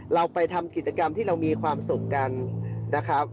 เราไปทำกิจกรรมที่เรามีความสุขกันนะครับ